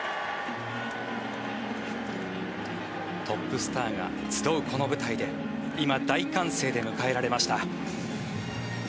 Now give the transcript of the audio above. トップスターが集うこの舞台で今、大歓声で迎えられました。